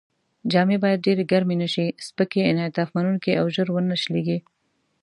جامې باید ډېرې ګرمې نه شي، سپکې، انعطاف منوونکې او ژر و نه شلېږي.